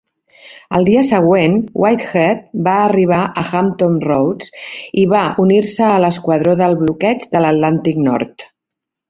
El dia següent, "Whitehead" va arribar a Hampton Roads i va unir-se a l'Esquadró del Bloqueig de l'Atlàntic Nord.